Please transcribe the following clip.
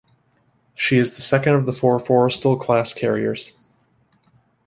She is the second of the four "Forrestal"-class carriers.